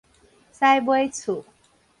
屎尾厝